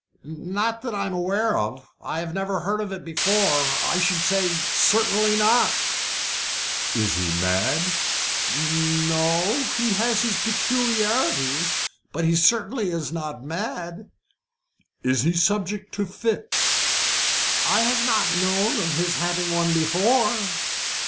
"Not that I am aware of. I have never heard of it before. I should say certainly not." "Is he mad?" "No o he has his peculiarities but he certainly is not mad." "Is he subject to fits?" "I have not known of his having one before."